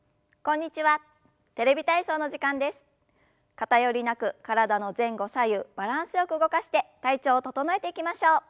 偏りなく体の前後左右バランスよく動かして体調を整えていきましょう。